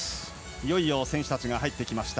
いよいよ選手たちが入ってきました。